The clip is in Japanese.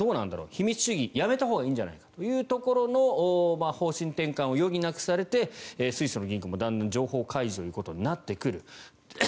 秘密主義、やめたほうがいいんじゃないかというところの方針転換を余儀なくされてスイスの銀行もだんだん情報開示ということになってくる。